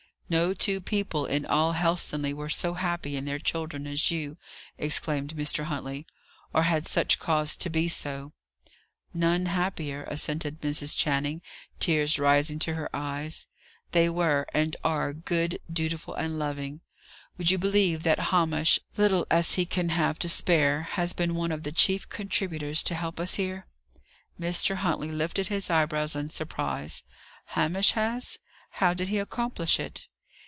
"No two people in all Helstonleigh were so happy in their children as you!" exclaimed Mr. Huntley. "Or had such cause to be so." "None happier," assented Mrs. Channing, tears rising to her eyes. "They were, and are good, dutiful, and loving. Would you believe that Hamish, little as he can have to spare, has been one of the chief contributors to help us here?" Mr. Huntley lifted his eyebrows in surprise. "Hamish has! How did he accomplish it?"